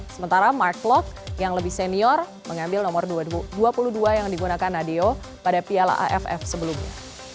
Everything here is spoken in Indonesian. sementara mark klok yang lebih senior mengambil nomor dua puluh dua yang digunakan nadeo pada piala aff sebelumnya